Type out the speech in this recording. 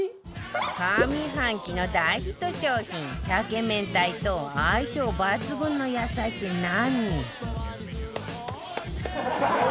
上半期の大ヒット商品しゃけめんたいと相性抜群の野菜って何？